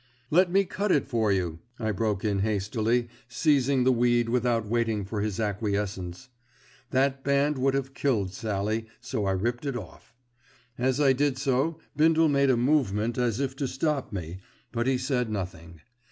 "Let me cut it for you," I broke in hastily, seizing the weed without waiting for his acquiescence. That band would have killed Sallie, so I ripped it off. As I did so Bindle made a movement as if to stop me, but he said nothing.